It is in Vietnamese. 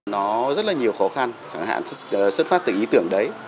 nó rất là nhiều khó khăn chẳng hạn xuất phát từ ý tưởng đấy